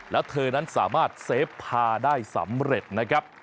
แล้วเธอนั้นสามารถเซฟพาได้สำเร็จนะครับ